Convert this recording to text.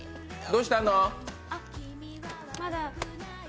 どうしたの？